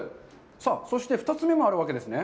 さあ、そして、２つ目もあるわけですね？